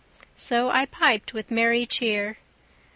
So I piped with merry cheer.